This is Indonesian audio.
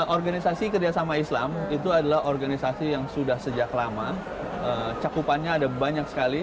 organisasi kerjasama islam itu adalah organisasi yang sudah sejak lama cakupannya ada banyak sekali